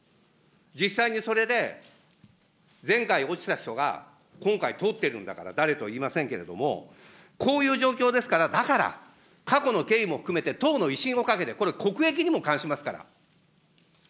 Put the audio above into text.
実際にそれで、前回落ちた人が、今回通ってるんだから、誰とは言いませんけれども、こういう状況ですから、だから、過去の経緯も含めて、党の威信もかけて、これ国益にも関しますから。